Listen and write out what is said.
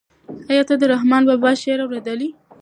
آیا تا د رحمان بابا شعر اورېدلی و؟